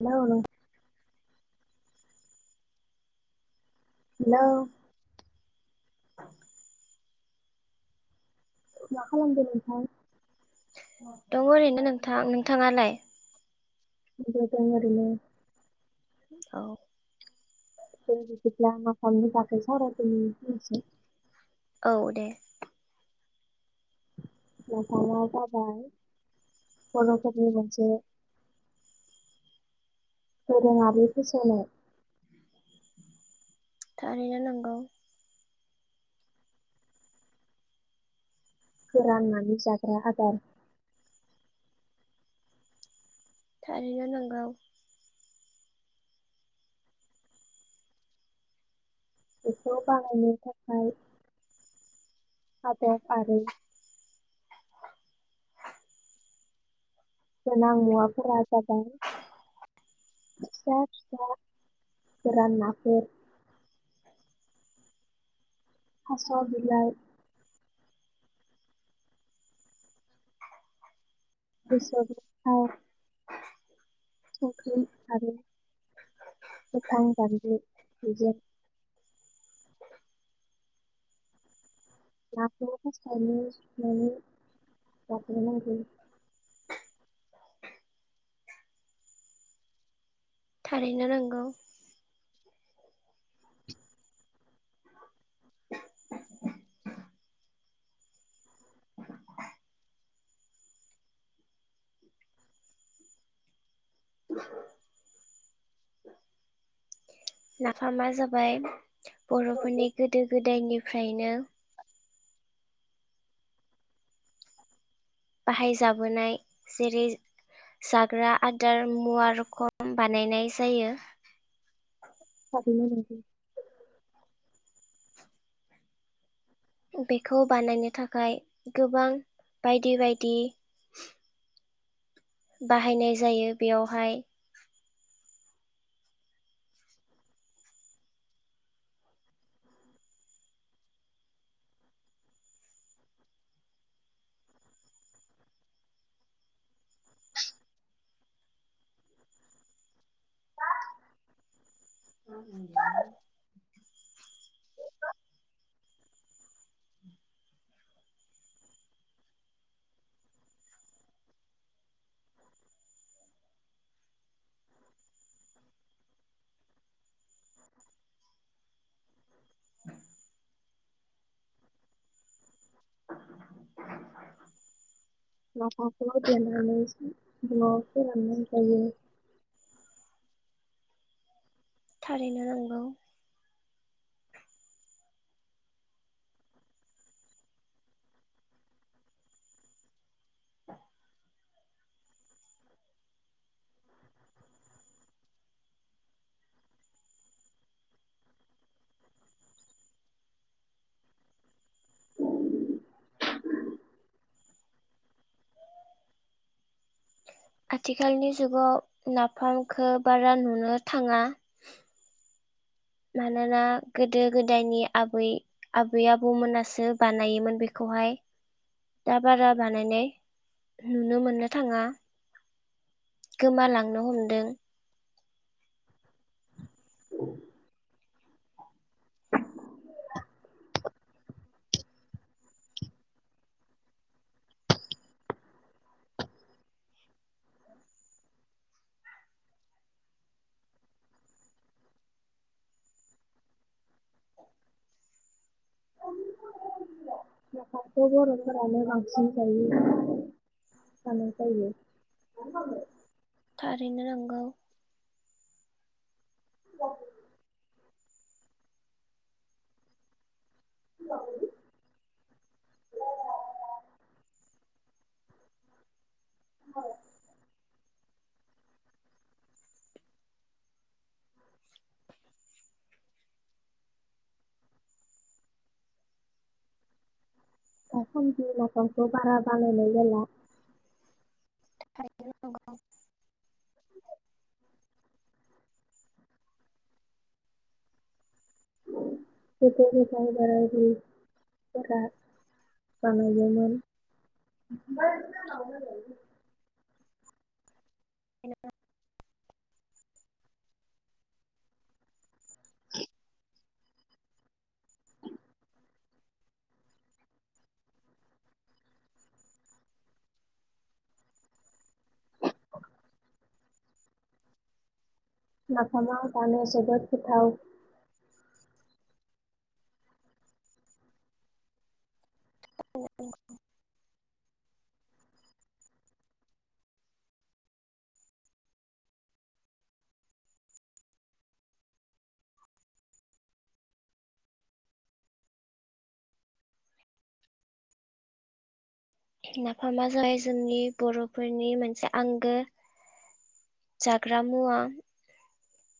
Hello नोंथां। Hello. मा खालामदों नोंथां? दङ ओरैनो नोंथां नोंथाङालाय? [inaudible] औ। [unintelligible] औ दे। [unintelligible] बर'फोरनि मोनसे दोरोङारि फोसावनाय। थारैनो नंगौ। फोराननानै जाग्रा आदार। थारैनो नंगौ। बेखौ बाहायनो थाखाय आदब आरो गोनां मुवाफोरा जाबाय फिसा फिसा गोरान नाफोर। थास' बिलाइ गोसोम ओम [inaudible] नाखौ पास्टाआवनो सुना लाग्रोनांगौ। थारैनो नंगौ। नाफामा जाबाय बर'फोरनि गोदो गोदायनिफ्रायनो बाहायजाबोनाय जेरै जाग्रा आदार मुवा रखम बानायनाय जायो। थाबैनो [unintelligible] बेखौ बानायनो थाखाय गोबां बायदि बायदि बाहायनाय जायो बेयावहाय [inaudible] [unintelligible] [unintelligible] नाफाम खौ देनानै जों न'फोराव नो जायो थारैनो नंगौ आथिखालनि जुगाव नाफामखौ बारा नुनो थाङा मानोना गोदो गोदायनि आबै आबै आबौमोनासो बानायोमोन बेखौहाय दा बारा बानायनाय नुनो मोननो थाङा गोमालांनो हमदों नाफामखौ‌ बर'फोरानि बांसिन जायो जानाय जायो थारैनो नंगौ औ [unintelligible] [unintelligible] दासानदि नाफाम खौ बारा बानायायल जाला थारैनो नंगौ बेफोरखौ जों बाराबो जाला जानायोमोन बे [inaudible] नाफामा जानो जोबोत गोथाव औ औ नाफामा जाय जोंनि बर'फोरनि मोनसे आंगो जाग्रा मुवा